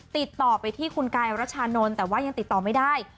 ติดต่อไปที่คุณกายรัชานนท์แต่ว่ายังติดต่อไม่ได้